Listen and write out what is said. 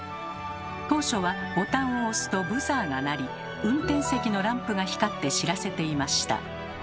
当初はボタンを押すとブザーが鳴り運転席のランプが光って知らせていました。